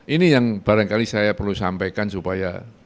ini yang barangkali saya perlu sampaikan supaya